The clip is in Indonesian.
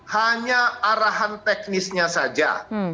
hanya arahan teknisnya saja